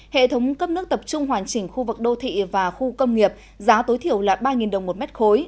hệ thống cấp nước tập trung hoàn chỉnh khu vực đô thị và khu công nghiệp giá tối thiểu là ba đồng một mét khối